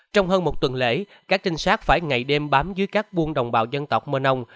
trong hơn một tuần lễ các trinh sát phải ngày đêm bám dưới các buôn đồng bào dân tộc mơ nông